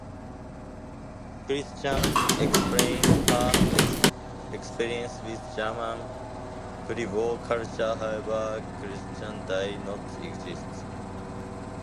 "Christine" explained her experience with German pre-war culture; however, Christine did not exist.